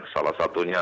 salah satunya ns